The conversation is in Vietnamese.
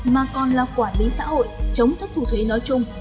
mà còn là quản lý xã hội chống thất thu thuế nói chung